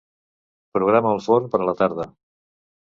Programa el forn per a la tarda.